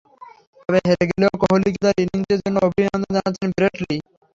তবে হেরে গেলেও কোহলিকে তাঁর ইনিংসের জন্য অভিনন্দন জানাচ্ছেন ব্রেট লি।